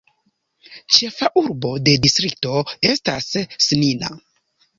Ĉefa urbo de distrikto estas Snina.